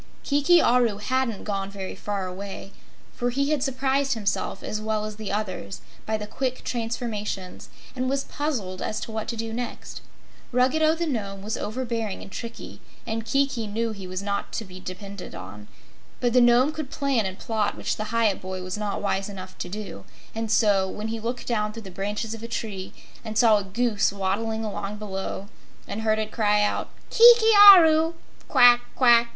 Kiki Aru hadn't gone very far away, for he had surprised himself as well as the others by the quick transformations and was puzzled as to what to do next. Ruggedo the Nome was overbearing and tricky, and Kiki knew he was not to be depended on; but the Nome could plan and plot, which the Hyup boy was not wise enough to do, and so, when he looked down through the branches of a tree and saw a Goose waddling along below and heard it cry out, "Kiki Aru! Quack quack!